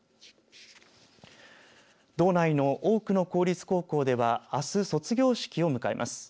道内の多くの公立高校ではあす卒業式を迎えます。